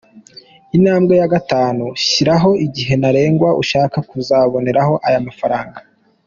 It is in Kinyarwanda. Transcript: Intambwe ya gatatu: Shyiraho igihe ntarengwa ushaka kuzaboneraho aya mafaranga.